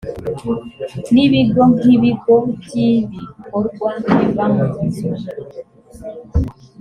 n ibigo nk ibigo by ibikorwa biva munzu